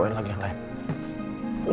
aku bawa lagi yang ren